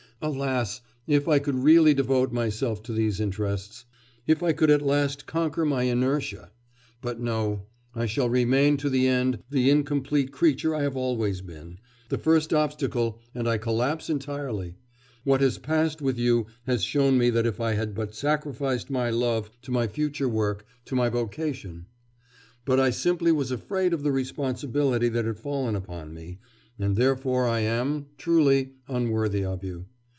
Alas! if I could really devote myself to these interests, if I could at last conquer my inertia.... But no! I shall remain to the end the incomplete creature I have always been.... The first obstacle, ... and I collapse entirely; what has passed with you has shown me that. If I had but sacrificed my love to my future work, to my vocation; but I simply was afraid of the responsibility that had fallen upon me, and therefore I am, truly, unworthy of you.